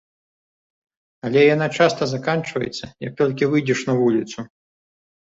Але яна часта заканчваецца, як толькі выйдзеш на вуліцу.